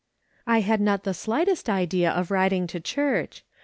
" I had not the slightest idea of riding to church.